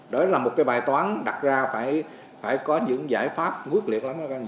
đó là một bài toán đặt ra phải có những giải pháp quyết liệt lắm